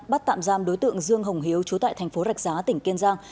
bắt tạm giam đối tượng dương hồng hiếu trú tại thành phố rạch giá tỉnh kiên giang